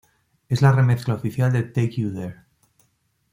Es la remezcla oficial de "Take You There".